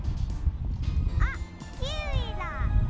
あっキウイだ！